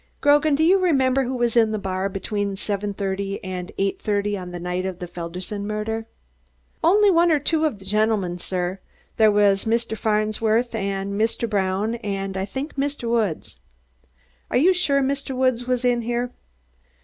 "Grogan, do you remember who was in the bar between seven thirty and eight thirty on the night of the Felderson murder?" "Only one or two of the gentlemen, sir. There was Mr. Farnsworth and Mr. Brown and I think Mr. Woods." "Are you sure Mr. Woods was in here?"